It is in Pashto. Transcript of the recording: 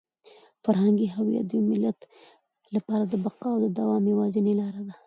فرهنګي هویت د یو ملت لپاره د بقا او د دوام یوازینۍ لاره ده.